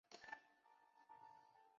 县治雅典。